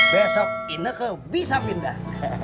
besok ineke bisa pindah